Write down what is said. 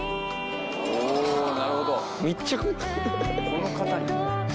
この方に？